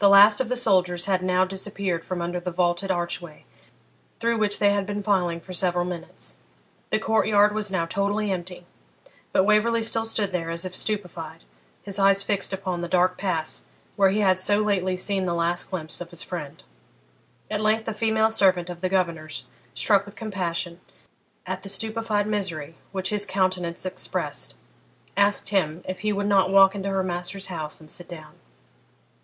The last of the soldiers had now disappeared from under the vaulted archway through which they had been filing for several minutes; the court yard was now totally empty, but Waverley still stood there as if stupefied, his eyes fixed upon the dark pass where he had so lately seen the last glimpse of his friend. At length a female servant of the governor's, struck with compassion, at the stupefied misery which his countenance expressed, asked him if he would not walk into her master's house and sit down?